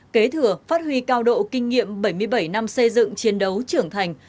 kế thừa phát huy cao độ kinh nghiệm bảy mươi bảy năm xây dựng chiến đấu trưởng thành